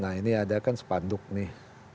nah ini ada kan sepanduk nih